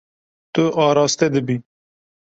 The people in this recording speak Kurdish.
Tu araste dibî.